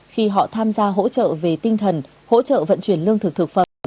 khi họ tham gia hỗ trợ về tinh thần hỗ trợ vận chuyển lương thực thực phẩm cho người dân